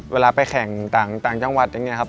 เวลาไปแข่งต่างจังหวัดอย่างนี้ครับ